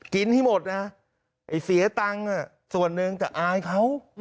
กินที่หมดนะไอ้เสียตังค์น่ะส่วนหนึ่งจะอายเขา